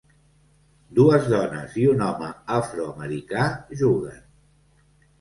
Dues dones i un home afroamericà juguen.